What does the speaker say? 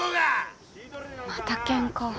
またケンカ。